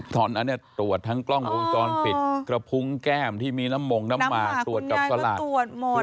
ตอนนั้นตรวจทั้งกล้องภูมิปีกกระพุงแก้มที่มีลำมงน้ำหมาตรวจดำหมาคุณยายมาตรวจหมด